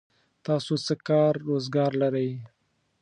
تاسو څه کار روزګار لرئ؟